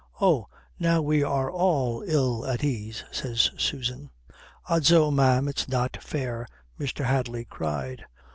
"Oh. Now we are all ill at ease," says Susan. "Odso, ma'am, it's not fair," Mr. Hadley cried.